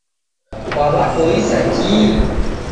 Kwaw'apoisa kihi?